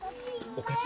お菓子？